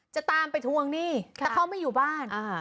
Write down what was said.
จะตามไปทวงหนี้แต่เขาไม่อยู่บ้าน